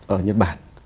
ở nhật bản